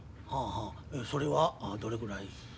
はあはあそれはどれぐらい？